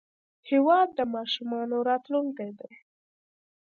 هېواد د ماشومانو راتلونکی دی.